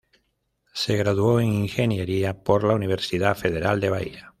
Se graduó en ingeniería por la Universidad Federal de Bahía.